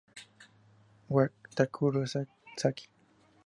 Wataru Sasaki